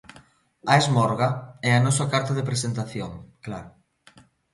'A Esmorga' é a nosa carta de presentación, claro.